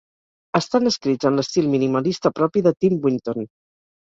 Estan escrits en l'estil minimalista propi de Tim Winton.